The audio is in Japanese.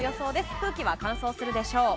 空気は乾燥するでしょう。